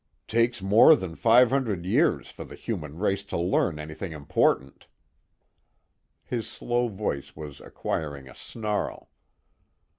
Takes more than five hundred years for the human race to learn anything important." His slow voice was acquiring a snarl.